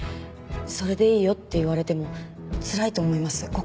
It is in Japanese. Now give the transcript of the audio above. それでいいよって言われてもつらいと思います心が。